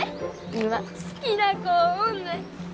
今好きな子おんねん！